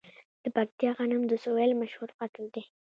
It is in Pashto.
د پکتیکا غنم د سویل مشهور فصل دی.